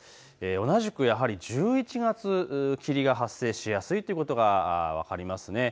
同じくやはり１１月、霧が発生しやすいってことが分かりますね。